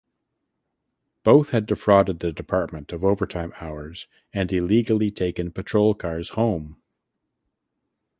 Both had defrauded the department of overtime hours and illegally taken patrol cars home.